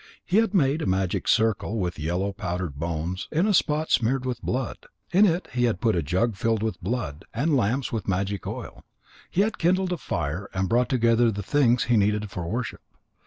He had made a magic circle with yellow powdered bones in a spot smeared with blood. In it he had put a jug filled with blood and lamps with magic oil. He had kindled a fire and brought together the things he needed for worship.